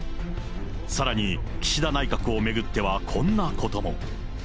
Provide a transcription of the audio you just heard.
さらに、岸田内閣を巡っては、こんなことも。